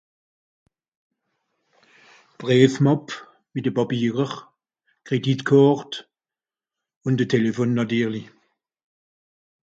breef màp mìt de pàpierer d'crédit càrd ùn de téléphone nàtirli